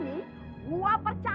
lima ditambah tujuh